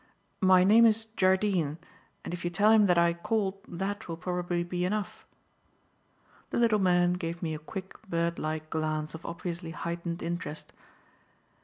"My name is Jardine, and if you tell him that I called that will probably be enough." The little man gave me a quick, bird like glance of obviously heightened interest.